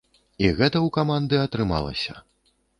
І гэта ў каманды атрымалася.